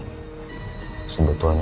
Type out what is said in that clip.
jangan cerita ke siapapun soal ini